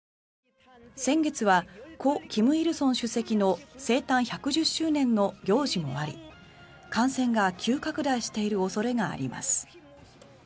先月は故・金日成主席の生誕１１０周年の行事もあり感染が急拡大している恐れがあります。